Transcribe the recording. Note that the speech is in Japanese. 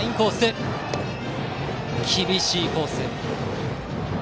厳しいコース。